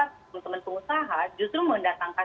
teman teman pengusaha justru mendatangkan